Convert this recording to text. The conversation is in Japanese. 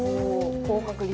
高確率。